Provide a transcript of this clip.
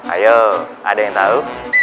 ayo ada yang tau